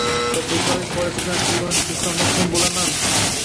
tadbirkorlik faoliyati bilan shug‘ullanish huquqidan mahrum bo‘lamanmi?